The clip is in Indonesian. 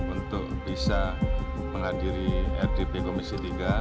untuk bisa menghadiri rdp komisi tiga